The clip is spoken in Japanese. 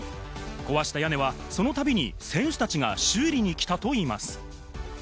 壊した屋根はその度に選手たちが修理に来たといいます。